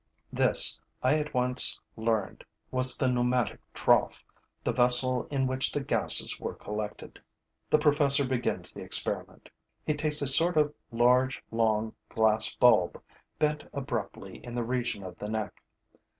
This, I at once learned, was the pneumatic trough, the vessel in which the gases were collected. The professor begins the experiment. He takes a sort of large, long glass bulb, bent abruptly in the region of the neck.